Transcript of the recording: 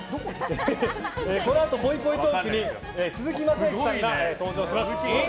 このあと、ぽいぽいトークに鈴木雅之さんが登場します。